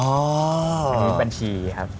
อันนี้บัญชีครับ